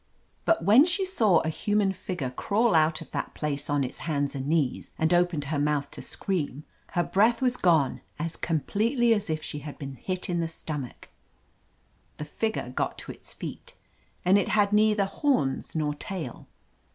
But when she saw 263 THE AMAZING ADVENTURES a human figure crawl out of that place on its hands and knees, and opened her mouth to scream, her breath was gone as completely as if she had been hit in the stomach. The figure got to its feet, and it had neither horns nor tail.